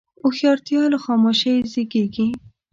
هوښیارتیا له خاموشۍ زیږېږي.